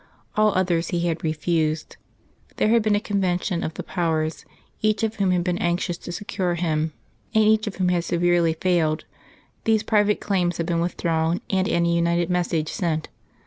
All others he had refused. There had been a Convention of the Powers, each of whom had been anxious to secure him, and each of whom had severally failed; these private claims had been withdrawn, and an united message sent.